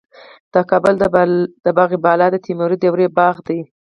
د کابل د باغ بالا د تیموري دورې باغ دی